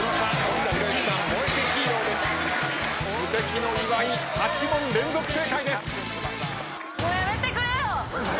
無敵の岩井８問連続正解です。